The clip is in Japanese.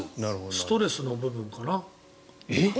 ストレスの部分かな。